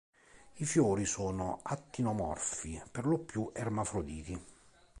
I fiori sono attinomorfi per lo più ermafroditi.